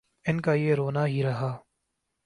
ان کا یہ رونا ہی رہا۔